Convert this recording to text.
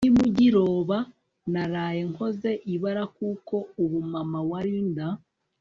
nimugiroba naraye nkoze ibara kuko ubu mama wa Linda